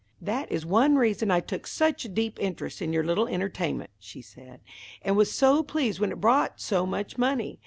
"That is one reason I took such a deep interest in your little entertainment," she said, "and was so pleased when it brought so much money.